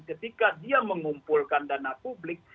ketika dia mengumpulkan dana publik